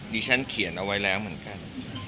ฉันเขียนเอาไว้แล้วเหมือนกัน